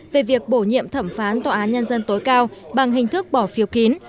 về việc bổ nhiệm thẩm phán tòa án nhân dân tối cao bằng hình thức bỏ phiếu kín